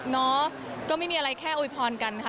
น้องก็ไม่มีอะไรแค่โอยพรกันค่ะ